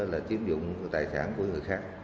là chiếm dụng tài sản của người khác